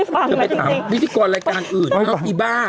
มันพูดตามวิศักดิ์รายการอื่นเนยอีบ้า